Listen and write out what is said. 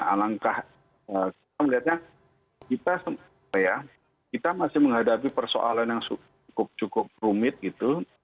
alangkah kita melihatnya kita masih menghadapi persoalan yang cukup cukup rumit gitu